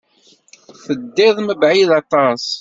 Teddiḍ mebɛid aṭas.